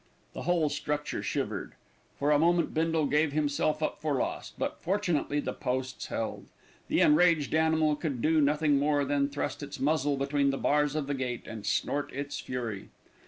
The whole structure shivered. For a moment Bindle gave himself up for lost; but, fortunately, the posts held. The enraged animal could do nothing more than thrust its muzzle between the bars of the gate and snort its fury.